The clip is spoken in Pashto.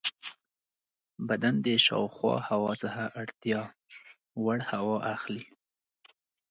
بدن د شاوخوا هوا څخه اړتیا وړ هوا اخلي.